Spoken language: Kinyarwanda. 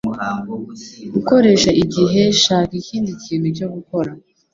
gukoresha igihe shaka ikindi kintu cyo gukora